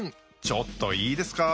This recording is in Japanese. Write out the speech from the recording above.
ちょっといいですか？